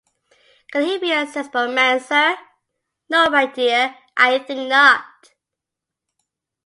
Can he be a sensible man, sir? No, my dear; I think not.